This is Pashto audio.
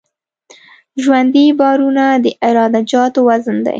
ژوندي بارونه د عراده جاتو وزن دی